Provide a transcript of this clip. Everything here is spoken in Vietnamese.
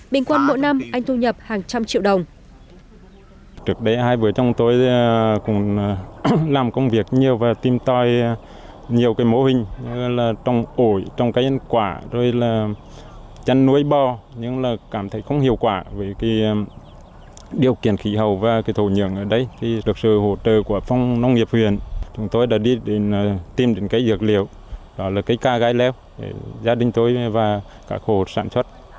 bình quân mỗi năm anh thu nhập hàng trăm triệu đồng